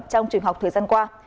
trong trường học thời gian qua